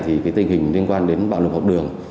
tình hình liên quan đến bạo lực học đường